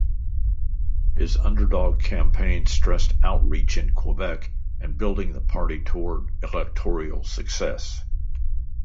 His underdog campaign stressed outreach in Quebec and building the party toward electoral success.